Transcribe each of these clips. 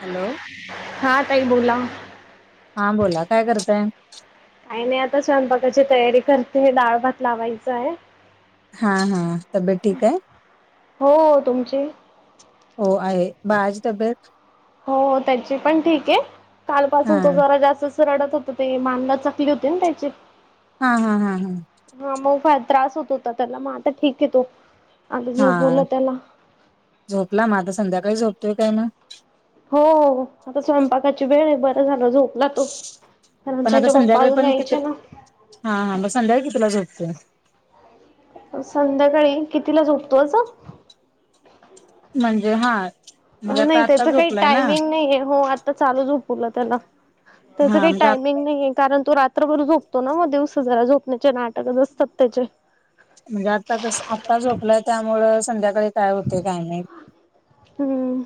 Hello. हा ताई बोला. हा बोला काय करताय? काय नाही आता स्वयंपाकाची तयारी करते डाळ भात लावायचं आहे. हा हा तब्येत ठीक आहे. हो हो तुमची हो आहे बाळाची तब्येत हो त्याची पण ठीक आहे. हा कालपासून तो जरा जास्तच रडत होत ते मान लचकली होती ना त्याची. हा हा हा हा हा मग फार त्रास होत होता त्याला. मग आता ठीक आहे तो. आता हा झोपवलं त्याला. झोपला म आता संध्याकाळी झोपतोय काय मग. हो आता स्वयंपाकाची वेळ आहे बर झाल झोप नातू कारण पण आता त्याच्या पप्पा संध्याकाळी अजून पण किती यायचे ना. हा हा मग संध्याकाळी कितीला झोपतो. संध्याकाळी कितीला झोपतो अस. म्हणजे हा म्हणजे आता नाही आत्ता त्याच काही झोपलाय ना टायमिंग नाहीये. हो आता चालू झोपवल त्याला. त्याच हा काही म्हणजे आत- टायमिंग नाही आहे. कारण तो रात्रभर झोपतो ना मग दिवस जरा झोपण्याचे नाटकच असतात त्याचे. म्हणजे आता तस आत्ता झोपलाय त्यामुळ संध्याकाळी काय होतय काय माहीत. हम्म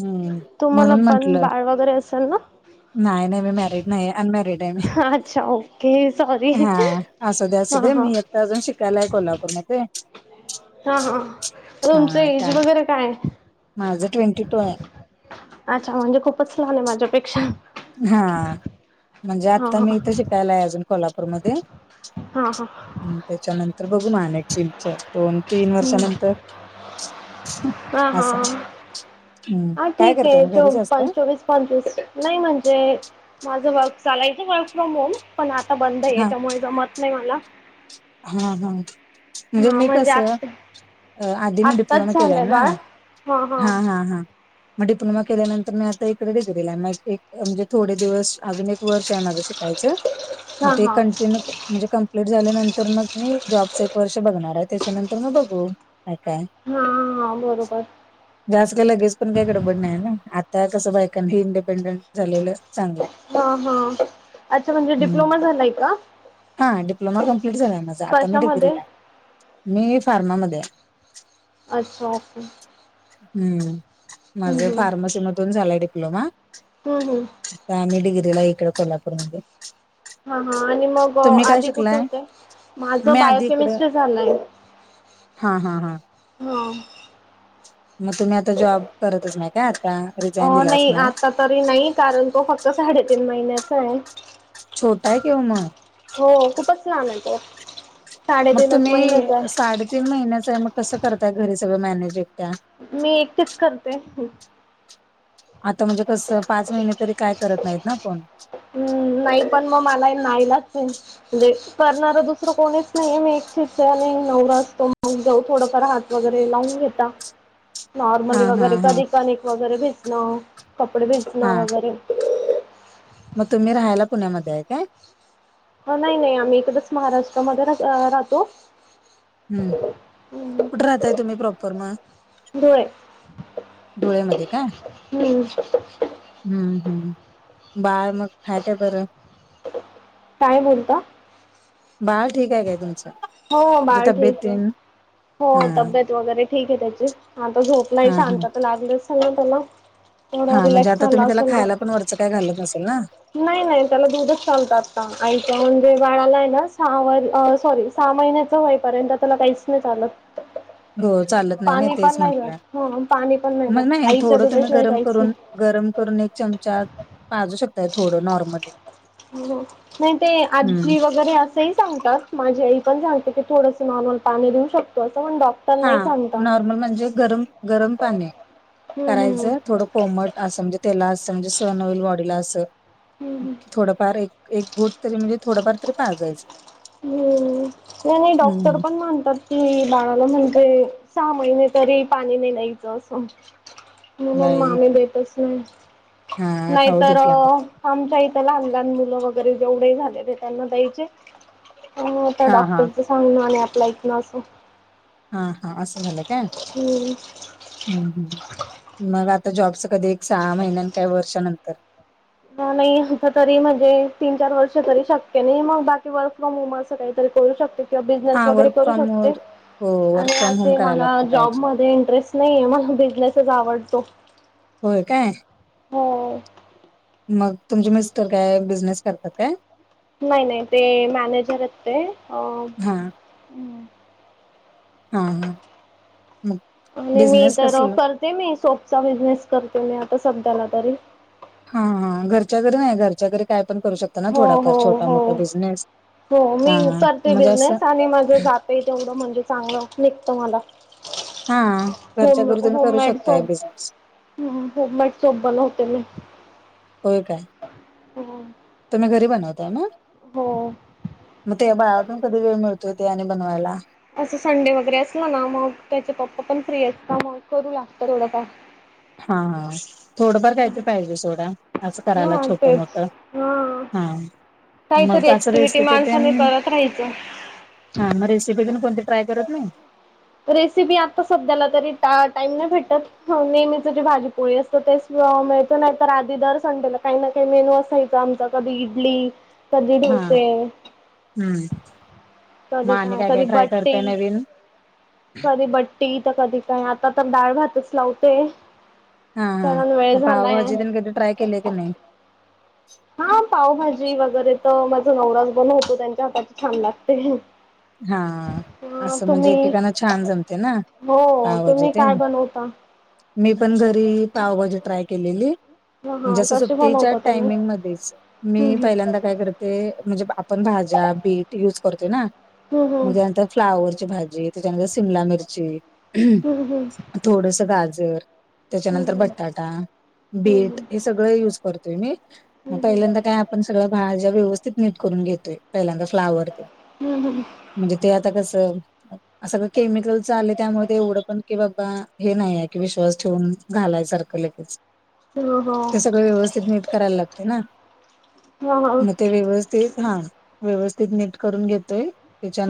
हम्म तुम्हाला म्हणून पण म्हंटलं बाळ वगैरे असेल ना. नाही नाही मी मॅरिड नाही अनमॅरिड आहे मी. अच्छा ओके सॉरी हा असू दे असू हा दे हा मी एकट अजून शिकायला आहे कोल्हापूरमध्ये ते. हा हा तुमच एज त्या वगैरे काय आहे. माझं ट्वेंटी टू आहे अच्छा म्हणजे खूपच लहान आहे माझ्यापेक्षा. हा म्हणजे हा आता हा मी इथे शिकायला आहे अजून कोल्हापूरमध्ये. हा ह हम्म त्याच्यानंतर बघू मग अनेक तीनच्या दोन तीन हम्म. वर्षानंतर हा हा असं हा काय ठीक करताय आहे मग चो घरीच असताय पचवीस नाही म्हणजे माझं वर्क चालायचं वर्क फ्रॉम होम. पण आता बंद आहे. हा याच्यामुळे जमत नाही मला. हा हा म्हणजे हा मी म्हणजे कस आ अ आधी मी आत्ताच डिप्लोमा केलाय झालंय ना. बाळ हा हा हा मग डिप्लोमा केल्यानंतर मी आता इकडे डिग्रीला आहे. म एक म्हणजे थोडे दिवस अजून एक वर्ष आहे माझ शि यच हा मग हा ते हा कंटिन्यू म्हणजे कंप्लीट झाल्यानंतर तर मग मी जॉबच एक वर्ष बघणार आहे. त्याच्यानंतर मग बघू काय काय. हा हा बरोबर. जास्त काय लगेच पण काही गडबड नाही ना. आता कस बायकांना इंडिपेंडेंट झालेलं चांगलं आहे. हा हा अच्छा म्हणजे हम्म. डिप्लोमा झालाय का? हा डप्लमा कंम प्लीट झालाय माझा. आता मी कशामध्ये डिग्रीला आहे. मी फार्मामध्ये आहे. अच्छा ओके. हम्म माझ हम्म हम्म फार्मसीमधून झालय डिप्लोमा. हम्म हम्म आम्ही डिग्रीला इकडे कोल्हापूरमध्ये. हा हा आणि मग तुम्ही काय आधी कुठ शिकलाय होते. माझ मी आधी इकड बायोकेमिस्ट्री झालय. हा हा हा हा मग तुम्ही आता जॉब करतच नाही का आता. रिझाईन अ दिला नाही असणार आता तरी नाही. कारण तो फक्त साडेतीन महिन्याचा आहे. छोटा आहे की ओ मग हो खूपच लाहान आहेेत साडेतीनच महिन्याच आहे तीन महिन्याच आहे मग कसं करतय घरी सगळं मॅनेज एकट्या मी एकटेच करते आता म्हणजे कसं पाच महिने तरी काय करत नाहीत ना आपण हम्म नाही पण मग मला नाहीलाच म्हणजे करणार दुसरं कोणीच नाही मी एकथ नवर असतो मग जाऊ थोडफार हात वगैरे लावून घेता नॉर्मली हा हा वगैरे हा कधी कनिक वगैरे भिजणं कपडे भिजणं हा वगैरे मग तुम्ही राहायला पुण्यामध्ये आहे काय नाही नाही आम्ही एकदच महाराष्ट्रामध्ये राहतो हम्म कुठे राहताय तुम्ही प्रॉपर मग धोळे डोळ्यामध्ये काय हम्म हम् बाळ मग हाय काय बरं काय बोलता बाळ ठीक आहे काय तुमचं हो म्हणजे बाळ तब्येत ठीक आहे तेन हो हा तब्येत वगैरे ठीक आहे त्याची आता झोपला हा शांत हा तर लागली झोप त्याला थोडं हा म्हणजे रिलॅक्स आता झाला तुम्ही त्याला असेल तो खायला पण वरच काय घालत नसेल ना नाही नाही त्याला दूधच चालत आता आईच्या म्हणजे बाळाला आहे ना सावर अ सॉरी सहा महिन्याच होईपर्यंत त्याला काहीच नाही चालत हो चालत नाही नाही पाणी तेच पण म्हटलं ह पाणी पण मग देत नाही आईच्या थोडं तुम्ही दुधाशिवाय गरम काहीच नाही. करून गरम करून एक चमचा पाजू शकताय थोडं नॉर्मली नाही ते हम्म आजी वगैरे असंही सांगतात माझी आई पणते क थोडसं नॉर्मल पाणी लिऊ शकत असं म्हण डॉ हा नॉर्मल म्हणजे गरम गरम पाणि हम्म हम्म करायचं थोडं कोमट असं म्हणजे त्याला असं म्हणजे सन होईल बॉडीला असं हम्म थोडं फार एक घोट तरी म्हणजे थोडंफार तरी पाहाजायचं हम्म नाही नाही डॉक्टर हम्म. पण मानतात कि बाळाला म्हणतय सहा महिने तरी पाणी नाही न्यायचं असं म मग मा बाई आ्ही देतच नाही हा राहू नाहीतर देत घ्या मग आमच्या इथं लहान लहान मुलं वगैरे जेवढे झाले ते त्यांना द्यायचे आता हा हा डॉक्टरच सांगण आणि अ्ला इत ना असं हा हा असं झालं का हम् हम् हम् मग आता जॉबचं कधी एक सहा महिन्यान काही वर्षानंतर नाही आता तरी म्हणजे तीन चार वर्ष तरी शक्य नाही मग बाकी वर् ि मम असं काहीतरी करू शकते किंवा हा बिझनेस वगैरे वर्क करू फ्रॉम शकते हो वर्क आणि फ्रॉम होम असे करायला मला लागली पाहिजे जॉबमध्येध्ये इंटरेस्ट नाहीे मला बिझनेसच आवडतो होय काय हो मग तुमचे मिस्टर काय बिझनेस करतात काय नाही नाही ते मॅनेजर आहेत ते अ हा हा हा मग आणि मी बिझनेस तर कसला कर ते मी सोपचा बिझनेस करते मी आता सध्याला तरी. हा हा, घरच्या घरी नाही घरच्या घरी काय पण करू शकता. ना हो हो थोडाफार छोटा हो मोठा बिझनेस हो, हा मी करते म्हणजे असं बिझनेस आणि माझे जात. पेठ तेवढं म्हणजे चांगलं निघतं मला. हा आ घरच्या घरी तुम्ही करू शकताय बिझनेस. हम्म होममेड सोप लावते मी. होय काय. होम्. तुम्ही घरी बनवताय ना. हो, मग ते बाळा तून कधी वेळ मिळतोय ते आणि बनवायला. असं संडे वगैरे असल ना मग त्याचे पप्पा पण फ्री असता मग करू लागत थोडं काम. हा हा, थोडंफार काहीतरी पाहिजे सोडा. अस करायला हा छोट तेच मोठ हा. काहीतरी मग असं ऍक्टिव्हटी रेसिपी तेन माणसाने करत राहायचं. हा मग रेसिपी तून कोणती ट्राय करत नाही. रेसिपी आता सध्याला तरी टा टाइम नाही भेटत. हो नेहमीच जे भाजीपोळी असतं तेच मिळत नाही तर आधी दर''--'' संड्याला काही ना काही मेनू असायचा आमचा कधी इडली कधी हा डोसे. हम्म. मग कधी आणि काय कधी ट्राय करताय बट्टिं. नवीन कधी बट्टी तर कधी काय आता तर डाळ भातच लावते. हा हा पण वेळ मग झालाय. पावभाजी तेन कधी ट्राय केलीय की नाही हा पावभाजी वगैरे तर माझं नवराज बनवतो त्यांच्या हाताची छान लागते. हा, ह असं म्हणजे तुम्ही एकेकाना छान जमते ना हो पावजी तुम्ही काय तेन. बनवता मी पण घरी पावभाजी ट्राय केलेली. हा म्हणजे हा असं कशी सुट्टीच्या बनवता तुम्ही टाइमिंग मध्येच मी हम्म पहिल्यांदा काय करते. ते म्हणजे आपण भाज्या बीट यूज करते ना. मग हम्म त्यानंतर फ्लावरची भाजी त्याच्यानंतर शिमला मिरची. हम्म थोडस गाजर. त्याच्यानंतर हम्म बटाटा हम्म बीट हम्म हे सगळं युज करतोय मी मग हम्म पहिल्यांदा काय आप ''--'' आपण सगळ भाज्या व्यवस्थित नीट करून घेतोय पहिल्यांदा फ्लावर ते. हम हम. म्हणजे ते आता कसं. सगळं केमिकल आले त्यामुळे ते एवढं पण की बाबा हे नाही आहे की विश्वास ठेवून. घालायसारखं लगेच. हा ते हा सगळ व्यवस्थित मी करायला लागते ना हा हा मग ते व्यवस्थित. तेच हां व्यवस्थित नीट करून घेतोय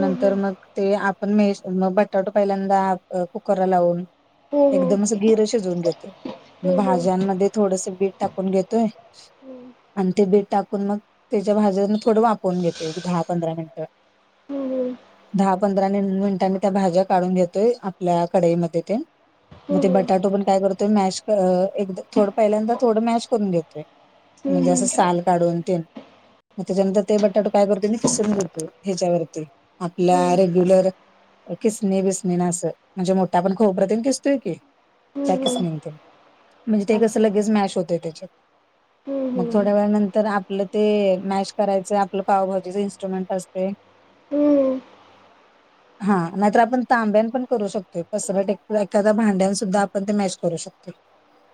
हम्म हम्म मग. ते आपण मेस मग बटाटो पहिल्यांदा अ कुकरला लावून. हम्म एकदम असं गिर शिजवून घेतोय मग हम्म हम्म हम्म भाज्यांमध्ये थोडस बीट टाकून घेतोय. आणि ते बीट टाकून मग त्याच्या भाज्याून थोडं वापरून घेतो एक दहा पंधरा मिनिटं. हम हम. दहा पंधरा मिनिटांनी त्या भाज्या काढून घेतोय आपल्या कढाईमध्ये तेन. मग ते हम्म बटाटो पण काय करतोय मॅश कर एक थोडं पहिल्यांदा थोडं मॅश करून घेतोय. म्हणजे हम्म असं हम्म साल काढून तेन मग त्याच्यानंतर ते बटाट काय करतो मी किसून घेते ह्याच्यावर आपला हम्म रेग्युलर खिसणी बिसणीन असं म्हणजे मोठा आपण खोबरं तेन किसतोय की त्या हम्म हम्म खिसणीने तेन म्हणजे ते कस आमचे लगेच मॅश होतंय त्याच्यात हम्म मग हम्म थोड नंतर आपलं ते मॅश करायच आपलं पावभाजीच इन्स्ट्रुमेंट असतय. होय हा नाहीतर आपण तांब्यान पण करू शकतोय पसरट एक एखाद्या भांड्यान सुद्धा आपण ते मॅश करू शक [unintelligible]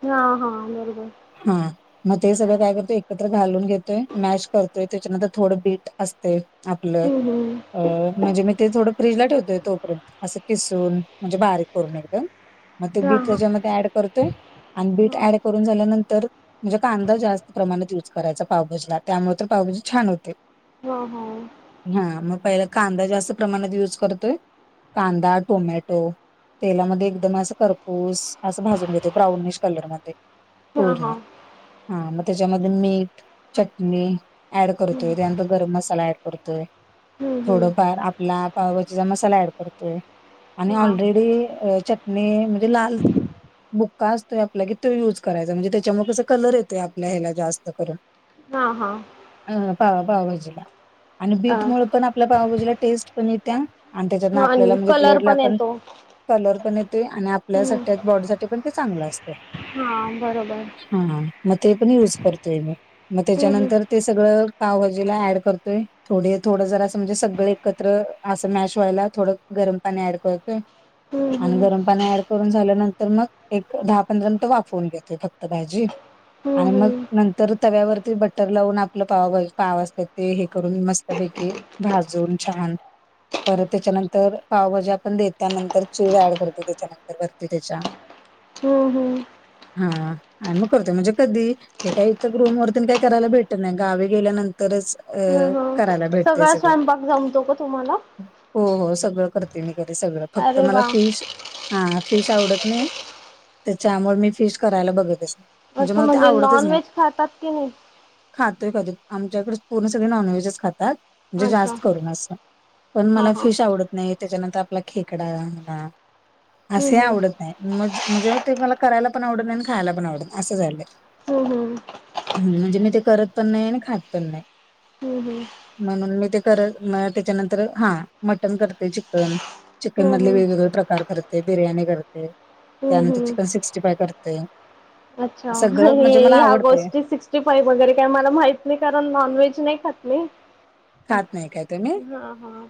हा हा बरोबर हम्म मग ते सगळं काय करतोय एकत्र घालून घेतोय मॅश करतोय त्याच्यानंतर थोडं बीट असतय आपलं हम्म हम्म अं म्हणजे मी ते थोडं फ्रीजला ठेवतोय तोपर्यंत असं खिसून म्हणजे बारीक करून एकदम मग ते हा बीट हा त्याच्यामध्ये ऍड करतोय आणि हा बीट ऍड करून झाल्यानंतर म्हणजे कांदा जास्त प्रमाणात युज करायचा पावभाजीला त्यामुळे तर पावभजी छान होते. हा हा हा मग पहिला कांदा जास्त प्रमाणात युज करतोय कांदा टोमॅटो तेलामध्ये एकदम असं खरपूस असं भाजून घेते ब्राउनिश कलरमध्ये हा पूर्ण हा हा मग त्यामध्ये मीठ चटणी ऍड करतोय हम्म त्यांनतर गरम मसाला ऍड करतोय. हम्म हम्म थोडंफार आपला पावभाजीचा मसाला ऍड करतोय आणि हा ऑलरेडी अ चट णि म्हणजे लाल बुक्का असतोय आपला कि तो युज करायचा म्हणजे त्याच्यामुळे कस कलर येतोय आपल्या ह्याला जास्त करून हा हा अ पाव पावभाजीला आणि अ बीटमुळे पण आपल्या पावभाजीला टेस्ट पण येत्या आणि त्याच्यातन हा, आपल्याला आणि म्हणजे कलर ब्लडला पण येतो कलर पण येतोय आणि आपल्यासाठी बॉडीसाठी पण ते चांगलं असतय हां बरोबर हा मग ते पण युज करतोय मी मग हम्म त्याच्यानंतर ते सगळं पावभाजीला ऍड करतोय थोडी थोडं जरास म्हणजे सगळे एकत्र असं मॅश व्हायला थोडं गरम पाणी ऍड करतोय हम्म आणि हम्म गरम पाणी ऍड करून झाल्यानंतर मग एक दहा पंधरा मिनिटं वाफउन घेतोय फक्त भाजी हम्म आणि मग हम्म नंतर तव्यावरती बटर लावून आपलं पावभाजी पाव असत्यात ते हे करून मस्त पैकी कीे भाजून छान परत त्याच्यानंतर पावभाज्या पण देतानंतर चीज ऍड करतो त्याच्यानंतर वरती त्याच्या हो हो हा आणि मग करतोय म्हणजे कधी हे काय इथं रूम वरतेन काय करायला भेटत नाही गावी गेल्यानंतरच अ हम्म हम्म करायला भेट सगळा स्वयंपाक जमतो का तुम्हाला? हो हो सगळं करते मी घरी सगळं फक्त अरे मला वा फिश हा हा फिश आवडत नाही त्याच्यामुळे मी फिश करायला बघतच नाही. असं मला ते म्हणजे आवडतच नाही. नॉनव्हेज खातात की ना खातोय कधी आमच्याकडेच पूर्ण सगळे नॉनव्हेजच खातात. म्हणजे अच्छा जास्त करून असं पण हा मला हा फिश आवडत नाही नाही त्याच्यानंतर आपला खेकडा म्हणा हम्म असे हम्म आवडत म्हणजे मग ते मला करायला पण आवडत आणि खायला पण आवडत असं झालं हम्म हम् म्हणजे मी ते करत पण नाही आणि खात पण नाही हम्म हम् म्हणून मी ते करत त्याच्यानंतर हा मटण करते चिकन चिकन मधले हम्म हम्म वेगवेगळे प्रकार करते बिर्याणी करते हम्म त्यानंतर चिकन हम्म सिक्स्टी फाय करते अच्छा हे सगळं म्हणजे मला ह्या आवडतंय गोष्टीिक पाई वगैरे काही मला माहित नाही कारण नॉन व्हेज नाही खात नाही खात नाही काय तुम्ही हां